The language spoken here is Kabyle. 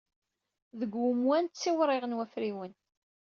Deg wemwan, ttiwriɣen wafriwen.